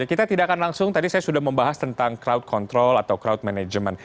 kita tidak akan langsung tadi saya sudah membahas tentang crowd control atau crowd management